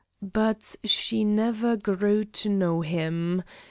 But she never grew to know him.